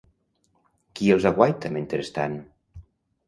Qui els aguaita mentrestant?